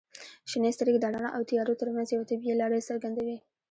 • شنې سترګې د رڼا او تیارو ترمنځ یوه طبیعي لړۍ څرګندوي.